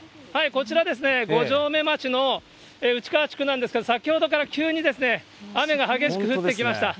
こちら五城目町の内川地区なんですが、先ほどから急に雨が激しく降ってきました。